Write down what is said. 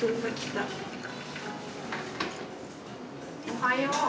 おはよう。